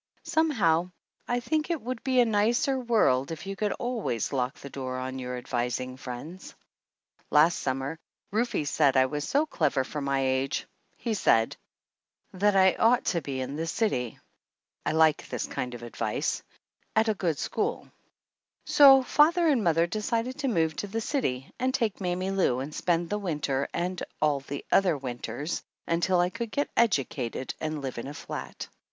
Somehow I think it would be a nicer world if you could always lock the door on your advising friends. Last summer Rufe said I was so clever for my age (he said) that I ought to be in the city (I like this kind of advice) at a good school; so father and mother decided to move to the city and take Mammy Lou and spend the winter and all the other winters until I could get educated and live in a flat.